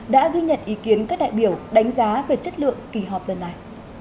đã ghi nhận ý kiến các đại biểu đánh giá về chất lượng kỳ họp lần này